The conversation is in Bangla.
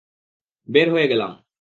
বের হয়ে গেলাম।